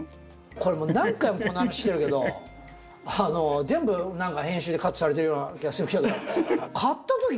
これもう何回もこの話してるけど全部何か編集でカットされてるような気がするけど。